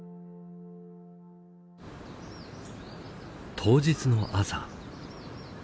当日の朝。